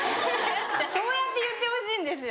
そうやって言ってほしいんですよ。